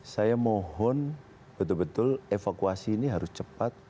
saya mohon betul betul evakuasi ini harus cepat